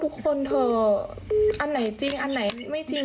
ทุกคนเถอะอันไหนจริงอันไหนไม่จริง